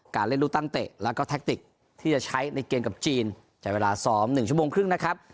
การเล่นรูตั้งเตะแล้วก็แทคติกที่จะใช้ในเกณฑ์กับจีนจากเวลาซ้อมหนึ่งชั่วโมงครึ่งนะครับ